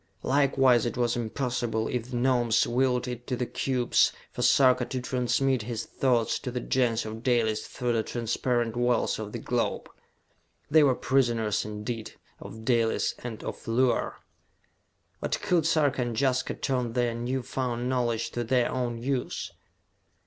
Likewise it was impossible, if the Gnomes willed it to the cubes, for Sarka to transmit his thoughts to the Gens of Dalis through the transparent walls of the globe! They were prisoners, indeed, of Dalis and of Luar! But could Sarka and Jaska turn their new found knowledge to their own use?